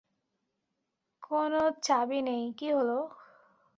কোন চাবি নেই - কি হলো?